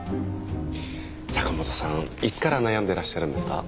坂本さんいつから悩んでらっしゃるんですか？